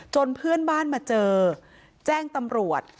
เพื่อนบ้านมาเจอแจ้งตำรวจ